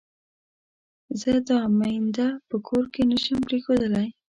زه دا مينده په کور کې نه شم پرېښودلای.